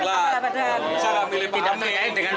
saya tidak memilih pak amin